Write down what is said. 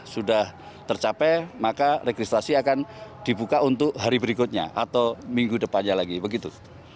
kalau dua ratus lima puluh sudah tercapai maka registrasi akan dibuka untuk hari berikutnya atau minggu depannya lagi begitu